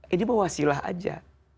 ini wasilah aja